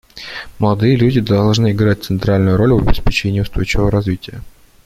Молодые люди должны играть центральную роль в обеспечении устойчивого развития.